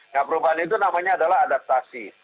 nah perubahan itu namanya adalah adaptasi